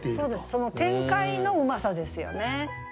その展開のうまさですよね。